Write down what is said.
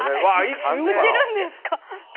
むしるんですか？